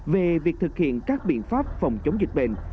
về việc thực hiện các biện pháp phòng chống dịch bệnh